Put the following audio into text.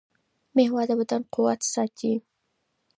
مېوه د بدن قوت ساتي.